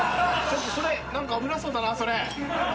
何か危なそうだなそれ。